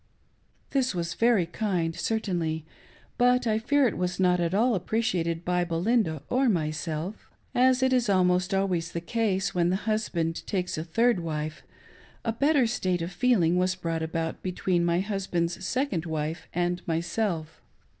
This was very kind, certainly, ■t»ut I fear it was not at all appreciated by' Belinda or myself. MISS ZINAS OPINION.. 539 As is almost always the case when the husband takes a third wife, a better state of feeling was brought about between my own husband's second wife and myself.